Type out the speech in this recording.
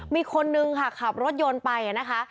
มีคนนึงค่ะขับรถยนต์ไปนะคะ